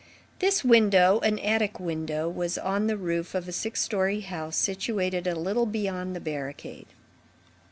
This window, an attic window, was on the roof of a six story house situated a little beyond the barricade.